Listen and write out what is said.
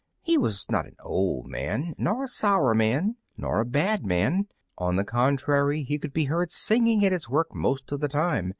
He was not an old man, nor a sour man, nor a bad man; on the contrary he could be heard singing at his work most of the time.